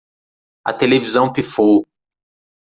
A televisão pifou